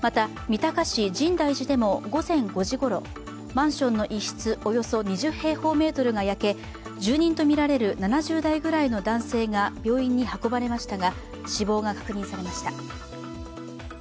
また、三鷹市深大寺でも午前５時ごろマンションの１室、およそ２０平方メートルが焼け住人とみられる、７０代ぐらいの男性が病院に運ばれましたが死亡が確認されました。